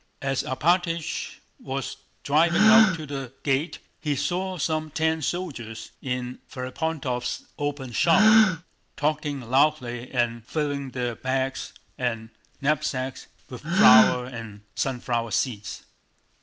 As Alpátych was driving out of the gate he saw some ten soldiers in Ferapóntov's open shop, talking loudly and filling their bags and knapsacks with flour and sunflower seeds.